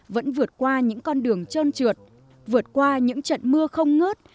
vẫn vượt qua những con đường trơn trượt vượt qua những trận mưa không ngớt